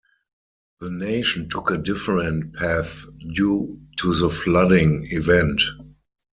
The nation took a different path due to the flooding event.